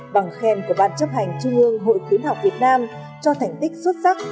bằng khen của ban chấp hành trung ương hội khuyến học việt nam cho thành tích xuất sắc